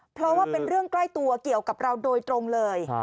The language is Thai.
เพราะว่าเป็นเรื่องใกล้ตัวเกี่ยวกับเราโดยตรงเลย